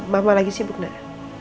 mama lagi sibuk nak